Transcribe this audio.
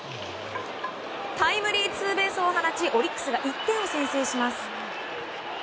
タイムリーツーベースを放ちオリックスが１点を先制します。